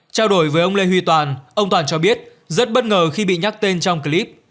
trao đổi với ông lê huy toàn ông toàn cho biết rất bất ngờ khi bị nhắc tên trong clip